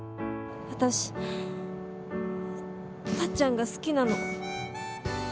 私タッちゃんが好きなの。